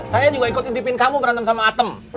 saya juga ikut nitipin kamu berantem sama atem